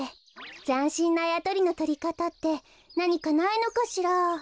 ざんしんなあやとりのとりかたってなにかないのかしら？